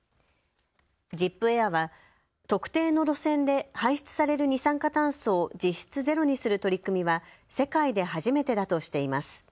ジップエアは特定の路線で排出される二酸化炭素を実質ゼロにする取り組みは世界で初めてだとしています。